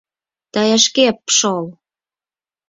Тый шке пшол!..